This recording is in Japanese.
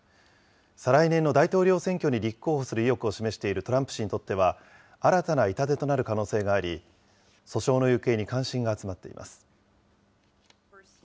再来年の大統領選挙に立候補する意欲を示しているトランプ氏にとっては、新たな痛手となる可能性があり、訴訟の行方に関心が集まっています。